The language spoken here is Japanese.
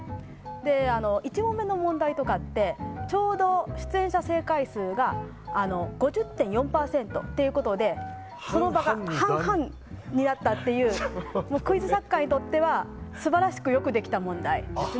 １問目の問題とかってちょうど出演者正解数が５０．４％ということでその場が半々になったというクイズ作家にとっては素晴らしく良くできた問題。